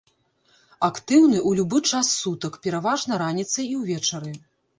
Актыўны ў любы час сутак, пераважна раніцай і ўвечары.